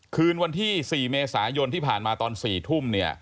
คืนวันที่๔เมษายนที่ผ่านมาตอน๔ทุ่มเนี่ย